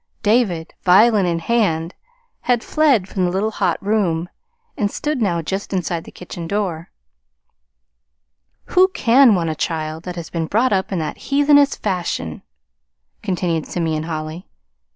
David, violin in hand, had fled from the little hot room, and stood now just inside the kitchen door. "Who can want a child that has been brought up in that heathenish fashion?" continued Simeon Holly.